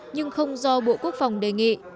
nhưng không do bộ quốc phòng đề nghị